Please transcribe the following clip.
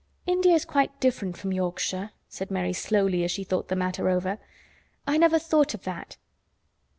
"India is quite different from Yorkshire," Mary said slowly, as she thought the matter over. "I never thought of that.